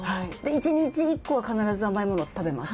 １日１個は必ず甘い物を食べます。